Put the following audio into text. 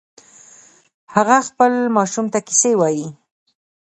هغه خپل ماشوم ته کیسې وایې